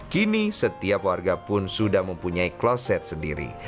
kini setiap warga pun sudah mempunyai kloset sendiri